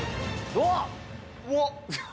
うわっ！